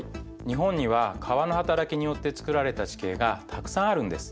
日本には川のはたらきによってつくられた地形がたくさんあるんです。